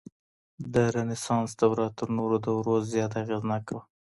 د رنسانس دوره تر نورو دورو زياته اغېزناکه وه.